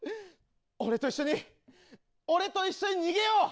俺と一緒に俺と一緒に逃げよう！